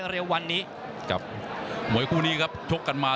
พี่น้องอ่ะพี่น้องอ่ะ